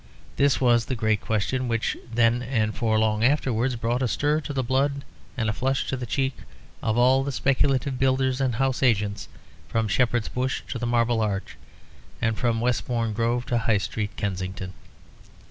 This was the great question which then and for long afterwards brought a stir to the blood and a flush to the cheek of all the speculative builders and house agents from Shepherd's Bush to the Marble Arch, and from Westbourne Grove to High Street, Kensington.